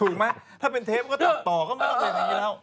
ถูกไหมถ้าเป็นเทปก็ตัดต่อก็ไม่ต้องทำอย่างนี้แล้ว